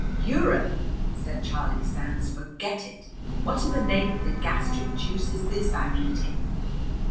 "Europe!" said Charlie Sands. "Forget it! What in the name of the gastric juice is this I'm eating?"